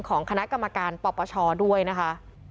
ของคณะกรรมการปปชด้วยนะคะ